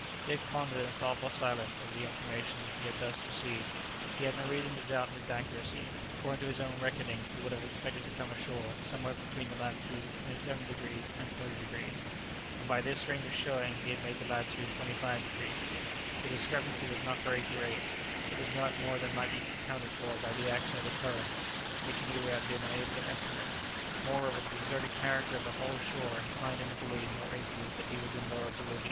Dick pondered in thoughtful silence over the information he had thus received. He had no reason to doubt its accuracy; according to his own reckoning he would have expected to come ashore somewhere between the latitudes of 27° and 30°; and by this stranger's showing he had made the latitude 25°; the discrepancy was not very great; it was not more than might be accounted for by the action of the currents, which he knew he had been unable to estimate; moreover, the deserted character of the whole shore inclined him to believe more easily that he was in Lower Bolivia.